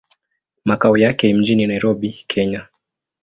Makao yake mjini Nairobi, Kenya.